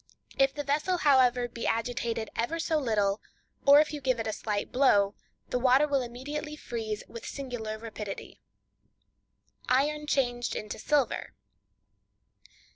If the vessel, however, be agitated ever so little, or if you give it a slight blow, the water will immediately freeze with singular rapidity. Iron Changed into Silver.